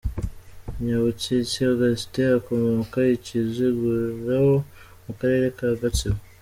Nyabutsitsi Augustin akomoka i Kiziguro mu Karere ka Gatsibo.